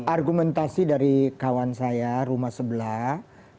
argumentasi dari kawan saya rumah sebelah